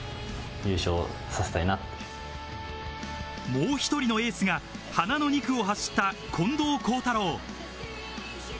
もう１人のエースが花の２区を走った近藤幸太郎。